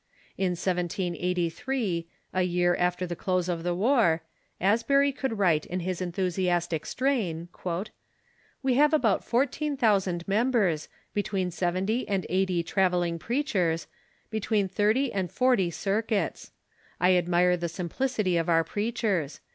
In 1783, a year after the close of the war, Asbury could write in this enthusiastic strain :" We have about fourteen thousand members, between sev enty and eighty travelling preachers, between thirty and forty circuits. ... I admire the simplicity of our preachers.